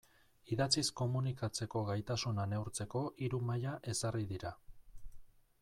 Idatziz komunikatzeko gaitasuna neurtzeko hiru maila ezarri dira.